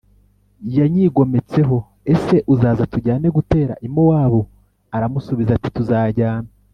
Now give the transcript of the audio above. yanyigometseho Ese uzaza tujyane gutera i Mowabu Aramusubiza ati tuzajyana